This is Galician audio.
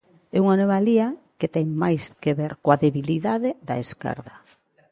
É unha anomalía que ten máis que ver coa debilidade da esquerda.